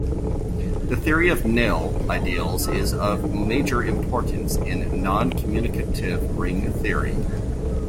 The theory of nil ideals is of major importance in noncommutative ring theory.